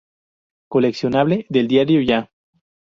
Coleccionable del Diario Ya.